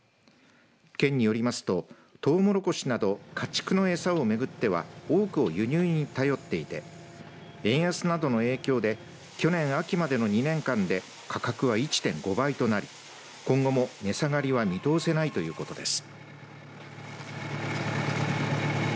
県によりますととうもろこしなど家畜の餌を巡っては横行輸入に頼っていて円安などの影響で去年秋までの２年間で価格は１．５倍となり今後も値下がりは見通せないということです。